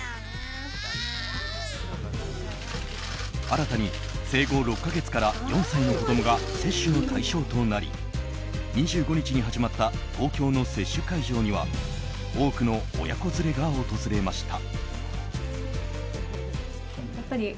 新たに生後６か月から４歳の子供が接種の対象となり２５日に始まった東京の接種会場には多くの親子連れが訪れました。